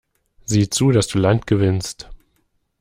Sieh zu, dass du Land gewinnst!